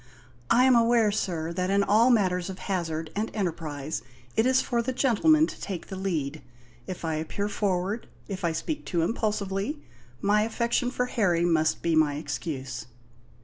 "I am aware, sir, that in all matters of hazard and enterprise it is for the gentlemen to take the lead. If I appear forward if I speak too impulsively my affection for Harry must be my excuse."